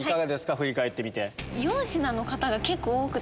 振り返ってみて。